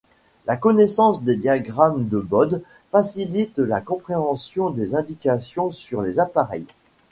La connaissance des diagrammes de Bode facilite la compréhension des indications sur les appareils.